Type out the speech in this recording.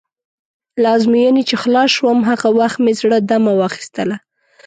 له ازموینې چې خلاص شوم، هغه وخت مې زړه دمه واخیستله.